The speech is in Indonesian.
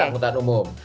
ke angkutan umum